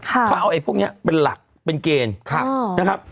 เขาเอาพวกนี้เป็นหลักเป็นเกณฑ์